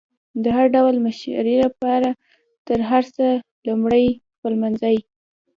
د هر ډول مشري لپاره تر هر څه لمړی خپلمنځي